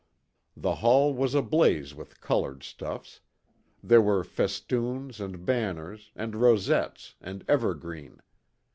The hall was ablaze with colored stuffs. There were festoons and banners, and rosettes and evergreen.